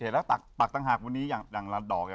ตักต่างหากวันนี้อย่างละดอก